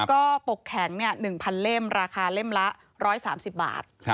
ก็ปกแข็ง๑๐๐เล่มราคาเล่มละ๑๓๐บาท